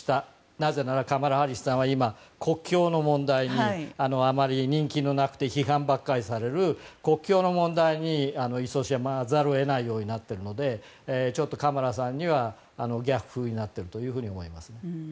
なぜならカマラ・ハリスさんは今、国境の問題に人気がなくて批判ばかりされる国境の問題に勤しまざるを得ないようになっているのでちょっとカマラさんには逆風になっていると思います。